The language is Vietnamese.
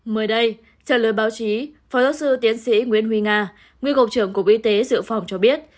mới đây trả lời báo chí phó giáo sư tiến sĩ nguyễn huy nga nguyên cục trưởng cục y tế dự phòng cho biết